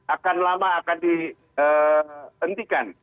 akan lama akan dihentikan